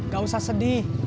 gak usah sedih